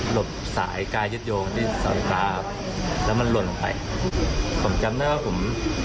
หลบสายกายยึดโยงที่สอนตาแล้วมันล่นไปผมจำได้ว่าผม